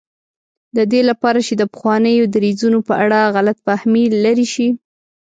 د دې لپاره چې د پخوانیو دریځونو په اړه غلط فهمي لرې شي.